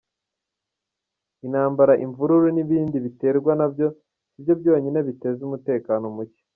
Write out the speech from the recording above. Intambara, invururu, n’ibindi biterwa na byo si byo byonyine biteza umutekano muke.